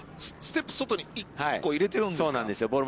◆ステップ外に１個入れているんですか。